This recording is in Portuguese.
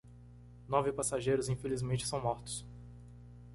Nove passageiros infelizmente são mortos